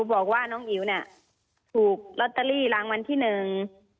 บอกว่าน้องอิ๋วเนี่ยถูกลอตเตอรี่รางวัลที่หนึ่ง